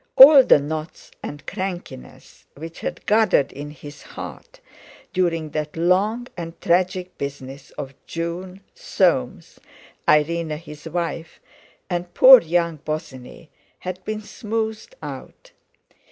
All the knots and crankiness, which had gathered in his heart during that long and tragic business of June, Soames, Irene his wife, and poor young Bosinney, had been smoothed out.